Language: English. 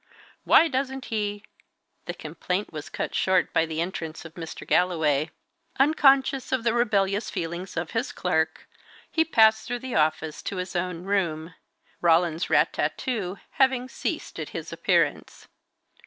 Why doesn't he " The complaint was cut short by the entrance of Mr. Galloway. Unconscious of the rebellious feelings of his clerk, he passed through the office to his own room, Roland's rat tat to having ceased at his appearance.